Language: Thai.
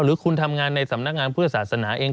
หรือคุณทำงานในสำนักงานเพื่อศาสนาเอง